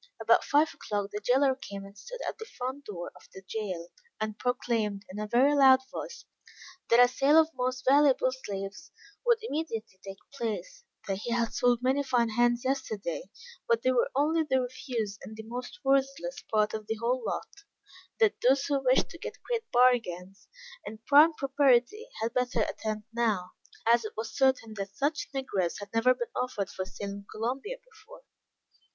About five o'clock, the jailer came and stood at the front door of the jail, and proclaimed, in a very loud voice, that a sale of most valuable slaves would immediately take place; that he had sold many fine hands yesterday, but they were only the refuse and most worthless part of the whole lot; that those who wished to get great bargains and prime property, had better attend now; as it was certain that such negroes had never been offered for sale in Columbia before.